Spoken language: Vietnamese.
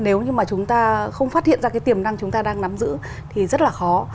nếu như mà chúng ta không phát hiện ra cái tiềm năng chúng ta đang nắm giữ thì rất là khó